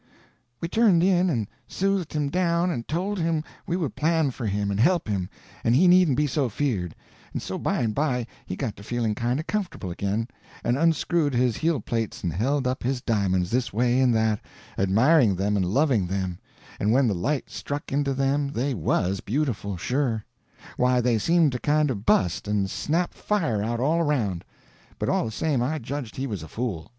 We turned in and soothed him down and told him we would plan for him and help him, and he needn't be so afeard; and so by and by he got to feeling kind of comfortable again, and unscrewed his heelplates and held up his di'monds this way and that, admiring them and loving them; and when the light struck into them they was beautiful, sure; why, they seemed to kind of bust, and snap fire out all around. But all the same I judged he was a fool.